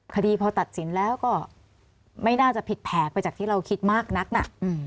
คดีพอตัดสินแล้วก็ไม่น่าจะผิดแผลกไปจากที่เราคิดมากนักน่ะ